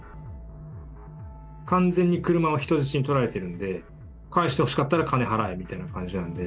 完全に車を人質に取られてるんで、返してほしかったら金払えみたいな感じなんで。